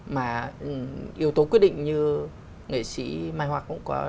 mà yếu tố quyết định như nghệ sĩ mai hoạc cũng đã nêu